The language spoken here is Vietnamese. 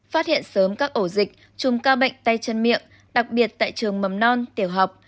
phát hiện sớm các ổ dịch chùm ca bệnh tay chân miệng đặc biệt tại trường mầm non tiểu học